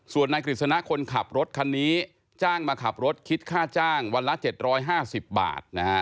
ส่วนนายกฤษณะคนขับรถคันนี้จ้างมาขับรถคิดค่าจ้างวันละ๗๕๐บาทนะฮะ